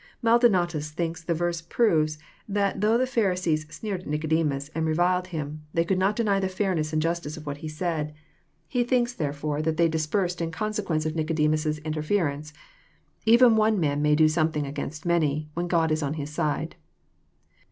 Maldonatus thinks the verse proves that though the Pharisees sneered at Nicodemus, and reviled him, they could not deny the fairness and justice of what he said. He thinks, therefore, tha^ JOHN, CHAP. Vin. 61 they dispersed In consequence of Nicodemus' Interference. £ven one man may do something against many, when God is on his side.